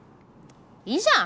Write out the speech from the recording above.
いいじゃん！